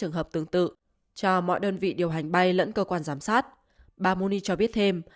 hãng hàng tương tự cho mọi đơn vị điều hành bay lẫn cơ quan giám sát bà moony cho biết thêm